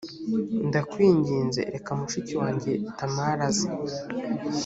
ndakwinginze reka mushiki wanjye tamari aze.